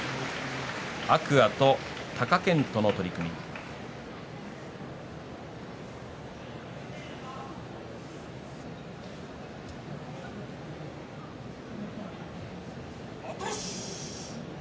天空海と貴健斗の取組です。